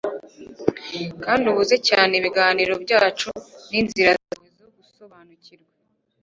kandi ubuze cyane ibiganiro byacu n'inzira zawe zo gusobanukirwa